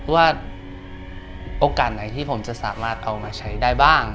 ว่าโอกาสไหนที่ผมจะสามารถเอามาใช้ได้บ้าง